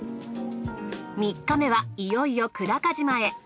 ３日目はいよいよ久高島へ。